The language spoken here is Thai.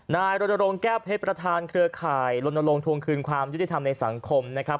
รณรงค์แก้วเพชรประธานเครือข่ายลนลงทวงคืนความยุติธรรมในสังคมนะครับ